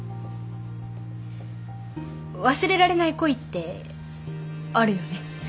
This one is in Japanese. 忘れられない恋ってあるよね。